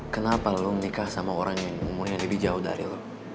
kenapa lo menikah sama orang yang umurnya lebih jauh dari lo